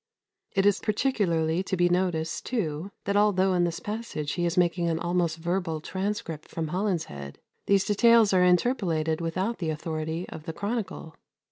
It is particularly to be noticed, too, that although in this passage he is making an almost verbal transcript from Holinshed, these details are interpolated without the authority of the chronicle.